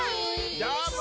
どーも！